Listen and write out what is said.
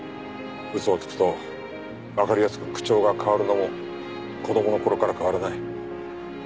嘘をつくとわかりやすく口調が変わるのも子供の頃から変わらない。